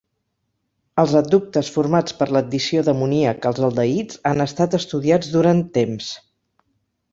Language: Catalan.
Els adductes formats per l'addició d'amoníac als aldehids han estat estudiats durant temps.